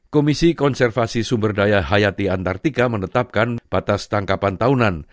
komisi konservasi sumberdaya hayati antartika menetapkan batas tangkapan tahunan